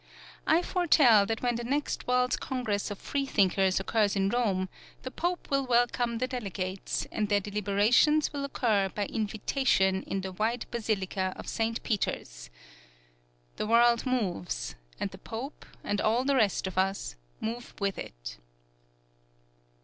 I foretell that when the next World's Congress of Freethinkers occurs in Rome, the Pope will welcome the delegates, and their deliberations will occur by invitation in the wide basilica of Saint Peter's. The world moves, and the Pope and all the rest of us move with it.